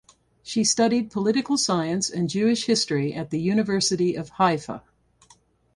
She studied political science and Jewish history at the University of Haifa.